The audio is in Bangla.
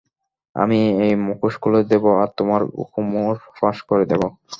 আমি এই মুখোশ খুলে দেবো আর তোমার গোমর ফাঁস করে দেবো।